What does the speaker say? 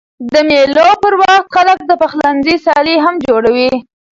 د مېلو پر وخت خلک د پخلنځي سیالۍ هم جوړوي.